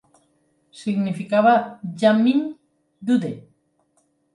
significava "Jammin' Dude.